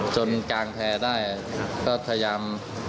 จนกางแพงได้ก็พยายาม